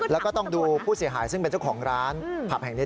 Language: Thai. แล้วก็ต้องดูผู้เสียหายซึ่งเป็นเจ้าของร้านผับแห่งนี้